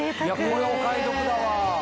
これお買い得だわ。